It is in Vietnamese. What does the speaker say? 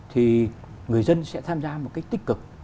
thì người dân sẽ tham gia một cách tích cực